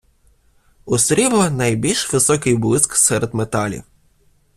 У срібла найбільш високий блиск серед металів